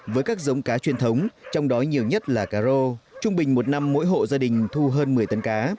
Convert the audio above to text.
với các giống cá truyền thống trong đó nhiều nhất là cà rô trung bình một năm mỗi hộ gia đình thu hơn một mươi tấn cá